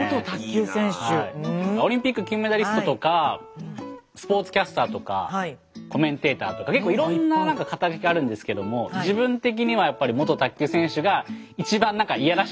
オリンピック金メダリストとかスポーツキャスターとかコメンテーターとか結構いろんな何か肩書があるんですけども自分的にはやっぱりああ。